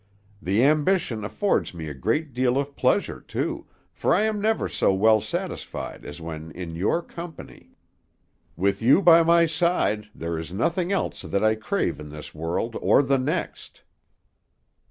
The ambition affords me a great deal of pleasure, too, for I am never so well satisfied as when in your company. With you by my side, there is nothing else that I crave in this world or the next."